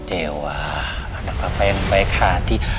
dewa anak apa yang baik hati